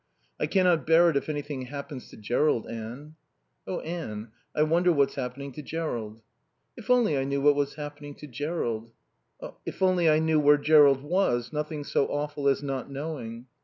"I cannot bear it if anything happens to Jerrold, Anne." "Oh Anne, I wonder what's happening to Jerrold." "If only I knew what was happening to Jerrold." "If only I knew where Jerrold was. Nothing's so awful as not knowing."